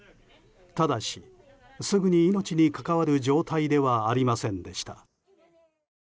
ただし、すぐに命に関わる状態ではありませんでした。